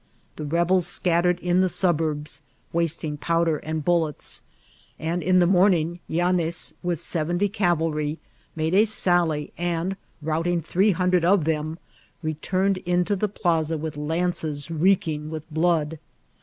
The rebeb scattered in the suburbs, wasting powder and bullets, and in the morning Yanez, with seventy oavaky, made a sally, and, routing three hun dred of them, returned into the plasa with lances reek ing with blood.